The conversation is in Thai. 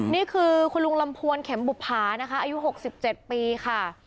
นี่คือคุณลุงลำพวนเข็มบุภานะคะอายุ๖๗ปีค่ะ